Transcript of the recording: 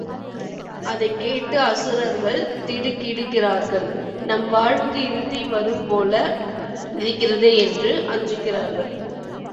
அதைக் கேட்டு அசுரர்கள் திடுக்கிடுகிறார்கள் நம் வாழ்வுக்கு இறுதி வரும்போல இருக்கிறதே என்று அஞ்சுகிறார்கள்.